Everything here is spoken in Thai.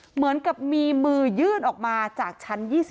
เหมือนกับมีมือยื่นออกมาจากชั้น๒๐